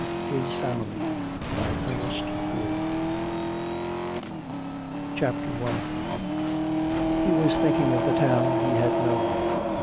A. HIS FAMILY HIS FAMILY CHAPTER I He was thinking of the town he had known.